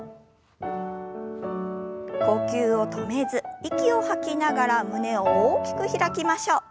呼吸を止めず息を吐きながら胸を大きく開きましょう。